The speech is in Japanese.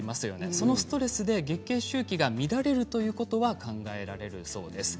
そのストレスで月経周期が乱れるということは考えられるそうです。